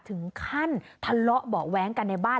ถึงขั้นทะเลาะเบาะแว้งกันในบ้าน